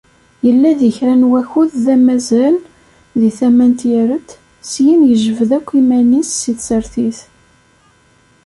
Yella di kra n wakud d amazan di tama n Tyaret, syin yejbed akk iman-is seg tsertit.